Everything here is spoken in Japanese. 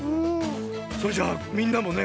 それじゃあみんなもね